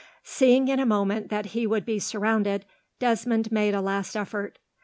Seeing in a moment that he would be surrounded, Desmond made a last effort.